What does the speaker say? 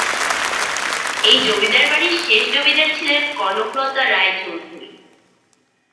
এই জমিদার বাড়ির শেষ জমিদার ছিলেন কনক লতা রায় চৌধুরী।